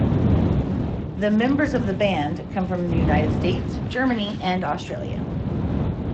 The Members of the band come from The United States, Germany, and Australia.